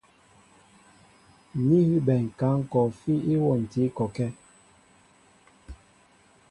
Ní hʉbɛ ŋ̀kǎŋ kɔɔfí íwôntǐ kɔkɛ́.